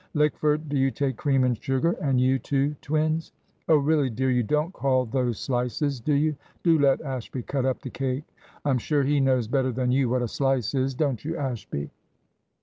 Lickford, do you take cream and sugar? And you too, twins? Oh really, dear, you don't call those slices, do you? Do let Ashby cut up the cake; I'm sure he knows better than you what a slice is; don't you, Ashby?"